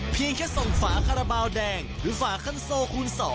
เพียงแค่ส่งฝาคาราบาลแดงหรือฝาคันโซคูณ๒